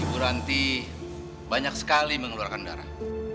bu ranti banyak sekali mengeluarkan darah